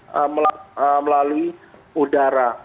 karena melalui udara